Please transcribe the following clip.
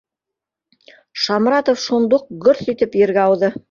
Шамратов шунда уҡ гөрҫ итеп ергә ауҙы